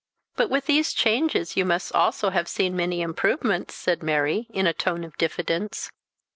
"But with these changes you must also have seen many improvements?" said Mary, in a tone of diffidence.